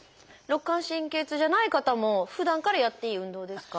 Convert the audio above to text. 肋間神経痛じゃない方もふだんからやっていい運動ですか？